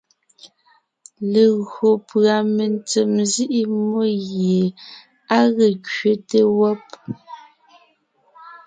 Legÿo pʉ́a mentsèm nzíʼi mmó gie á ge kẅete wɔ́b,